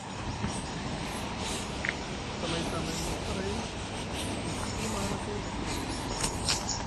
Zamay tamayni faray fiɗiɗi mahalakay lay.